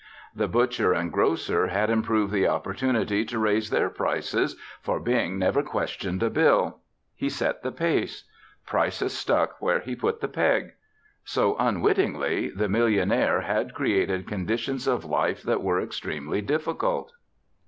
The butcher and grocer had improved the opportunity to raise their prices for Bing never questioned a bill. He set the pace. Prices stuck where he put the peg. So, unwittingly, the millionaire had created conditions of life that were extremely difficult.